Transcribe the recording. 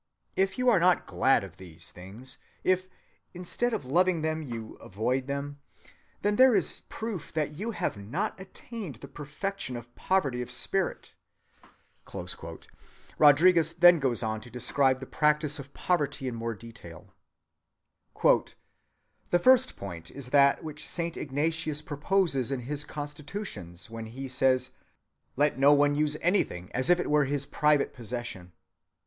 If you are not glad of these things, if instead of loving them you avoid them, then there is proof that you have not attained the perfection of poverty of spirit." Rodriguez then goes on to describe the practice of poverty in more detail. "The first point is that which Saint Ignatius proposes in his constitutions, when he says, 'Let no one use anything as if it were his private possession.